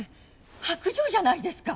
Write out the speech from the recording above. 薄情じゃないですか！